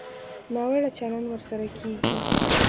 ناوړه چلند ورسره کېږي.